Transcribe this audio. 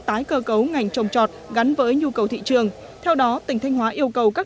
tái cơ cấu ngành trồng trọt gắn với nhu cầu thị trường theo đó tỉnh thanh hóa yêu cầu các